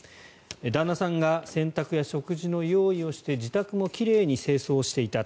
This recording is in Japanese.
旦那さんが洗濯や食事の用意をして自宅も奇麗に清掃していた。